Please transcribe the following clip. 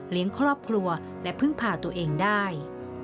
ครอบครัวและพึ่งพาตัวเองได้